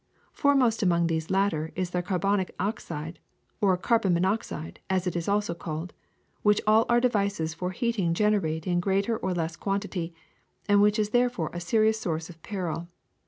Foremost among these latter is the carbonic oxide, or carbon monoxide, as it is also called, which all our devices for heating generate in greater or less quantity, and which is therefore a serious source of peril.